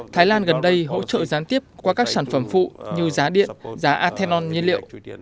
thái lan gần đây hỗ trợ gián tiếp qua các sản phẩm phụ như giá điện giá athenon nhiên liệu